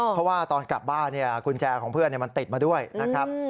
เพราะว่าตอนกลับบ้านกุญแจของเพื่อนมันติดมาด้วยนะครับ